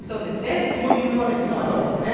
そういう場面というのはあるわけですね。